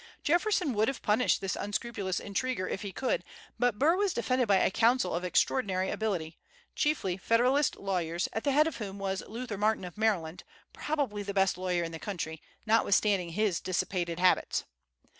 Jefferson would have punished this unscrupulous intriguer if he could; but Burr was defended by counsel of extraordinary ability, chiefly Federalist lawyers, at the head of whom was Luther Martin of Maryland, probably the best lawyer in the country, notwithstanding his dissipated habits.